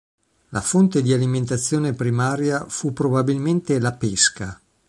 La fonte di alimentazione primaria fu probabilmente la pesca.